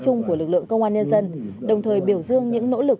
chung của lực lượng công an nhân dân đồng thời biểu dương những nỗ lực